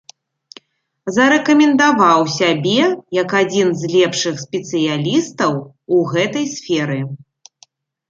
Зарэкамендаваў сябе як адзін з лепшых спецыялістаў у гэтай сферы.